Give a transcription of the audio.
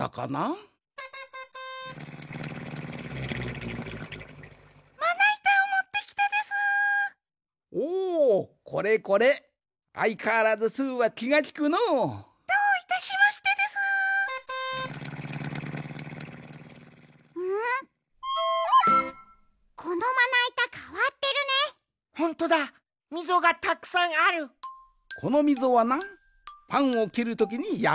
このみぞはなパンをきるときにやくだつんじゃ。